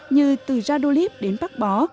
như từ giardolip đến bắc bó